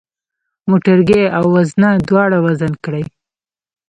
موټرګی او وزنه دواړه وزن کړئ.